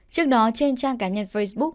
trước đó trên trang cá nhân facebook